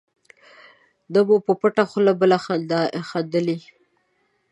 نه مو په پټه خوله بله خندلي.